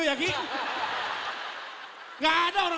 ya inier di sana